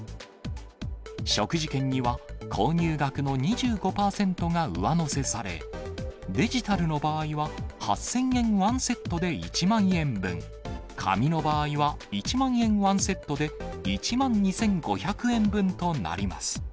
食事券には、購入額の２５％が上乗せされ、デジタルの場合は８０００円１セットで１万円分、紙の場合は１万円１セットで１万２５００円分となります。